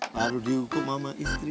baru dihukum sama istri